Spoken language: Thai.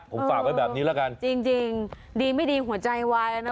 ผมฝากไว้แบบนี้ละกันจริงดีไม่ดีหัวใจวายนะ